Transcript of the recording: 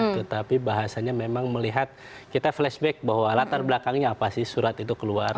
tetapi bahasanya memang melihat kita flashback bahwa latar belakangnya apa sih surat itu keluar